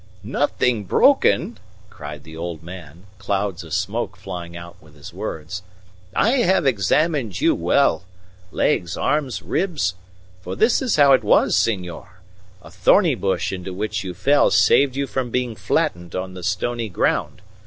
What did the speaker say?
"Nothing broken," cried the old man, clouds of smoke flying out with his words. "I have examined you well legs, arms, ribs. For this is how it was, senor. A thorny bush into which you fell saved you from being flattened on the stony ground.